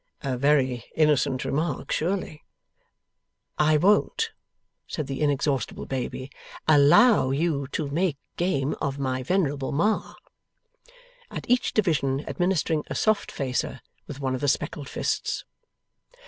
A very innocent remark, surely.' 'I won't,' said the inexhaustible baby, ' allow you to make game of my venerable Ma.' At each division administering a soft facer with one of the speckled fists.